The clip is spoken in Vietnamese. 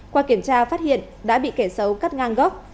qua kiểm tra phát hiện đã bị kẻ xấu cắt ngang gốc